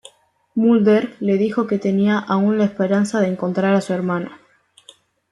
Mulder le dijo que tenía aún la esperanza de encontrar a su hermana.